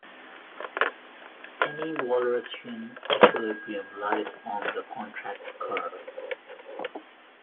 Any Walrasian equilibrium lies on the contract curve.